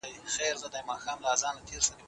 يوازې يووالي ته اړتيا ده.